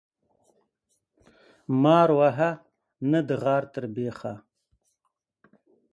مار وهه ، نه د غار تر بيخه.